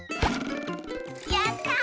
やった！